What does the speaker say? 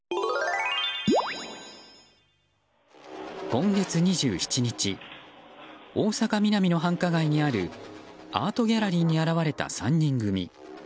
今月２７日大阪ミナミの繁華街にあるアートギャラリーに現れた３人組。